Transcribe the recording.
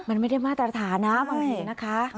มันไม่ได้มาตรฐานนะบางทีนะคะ